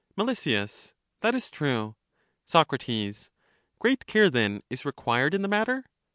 Mel, That is true. Soc, Great care, then, is required in the matter?